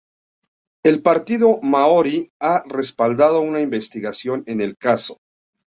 El Partido Maorí ha respaldado una investigación en el caso.